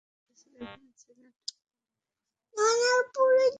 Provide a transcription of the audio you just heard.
এভানস্টনের Mr Bradley, যাঁর সঙ্গে তোমার এভানস্টনে সাক্ষাৎ হয়েছিল, এখানে ছিলেন।